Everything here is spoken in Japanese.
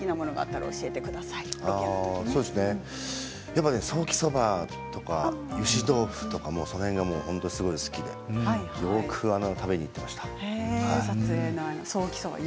やっぱりソーキそばとかゆし豆腐とかその辺がものすごく好きでよく食べに行っていました。